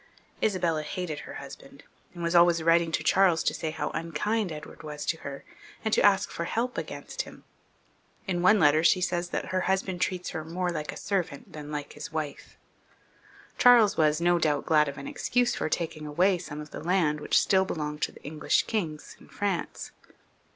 Isabella hated her husband, and was always writing to Charles to say how unkind Edward was to her, and to ask for help against him. In one letter she says that her husband treats her "more like a servant than like his wife." Charles was, no doubt, glad of an excuse for taking away some of the land which still belonged to the English kings in France.